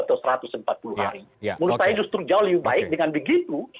menurut saya justru jauh lebih baik dengan begitu